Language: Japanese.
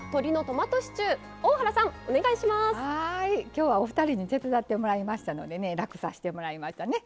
きょうはお二人に手伝ってもらいましたのでね楽させてもらいましたね。